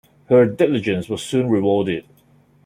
Her diligence was soon rewarded.